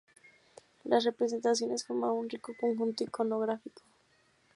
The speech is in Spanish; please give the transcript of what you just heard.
Las representaciones forman un rico conjunto iconográfico.